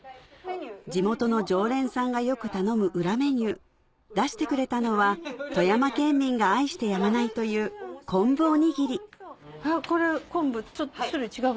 地元の常連さんがよく頼む裏メニュー出してくれたのは富山県民が愛してやまないという昆布おにぎりこれ昆布ちょっと種類違うんですか？